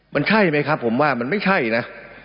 มันใช่ไหมครับผมว่ามันไม่ใช่นะ